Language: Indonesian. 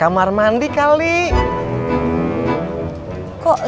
emang tadi toujours